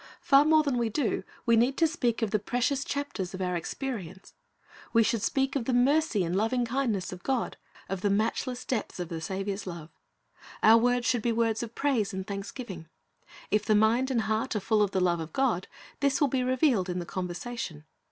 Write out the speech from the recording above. Far more than we do, we need to speak of the precious chapters in our experience. We should speak of the mercy and loving kindness of God, of the matchless depths of the Saviour's love. Our words should be words of praise and thanksgiving. If the mind and heart are full of the love of God, this will be revealed in the conversation.